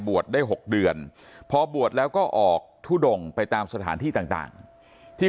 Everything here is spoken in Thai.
ได้๖เดือนพอบวชแล้วก็ออกทุดงไปตามสถานที่ต่างที่